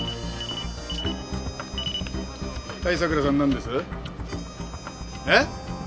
はい佐倉さんなんです？えっ？